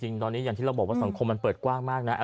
จริงตอนนี้อย่างที่เราบอกว่าสังคมมันเปิดกว้างมากนะ